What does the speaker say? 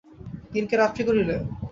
দিনকে রাত্রি করিলে?